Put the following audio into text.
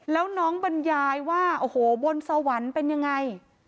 แล้วน้องบรรยายว่าโอ้โหบนสวรรค์เป็นยังไง